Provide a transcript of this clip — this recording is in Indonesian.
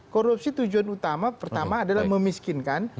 korupsi tujuan utama pertama adalah memiskinkan